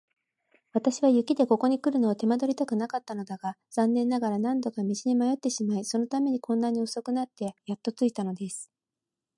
私は雪でここにくるのを手間取りたくなかったのだが、残念ながら何度か道に迷ってしまい、そのためにこんなに遅くなってやっと着いたのです。